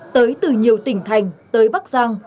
tới từ nhiều tỉnh thành tới bắc giang